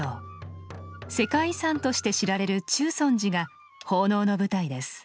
世界遺産として知られる中尊寺が奉納の舞台です。